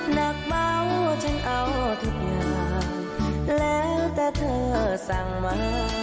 หนักเบาฉันเอาทุกอย่างแล้วแต่เธอสั่งมา